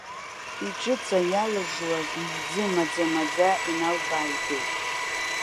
Иҿыҵа иалыжжуаз ижәӡы маӡа-маӡа иналбааидеит.